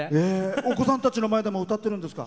お子さんたちの前でも歌ってるんですか。